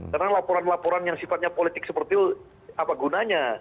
karena laporan laporan yang sifatnya politik seperti itu apa gunanya